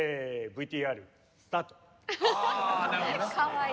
ＶＴＲスタート。